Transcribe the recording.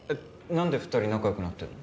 何で二人仲よくなってんの？